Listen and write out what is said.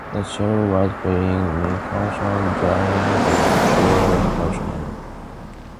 The child was being mischievous during the choir performance.